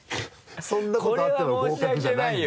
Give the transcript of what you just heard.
そんなことあっての合格じゃないんだ。